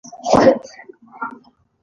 آیا افغانستان د بریښنا ټرانزیټ کیدی شي؟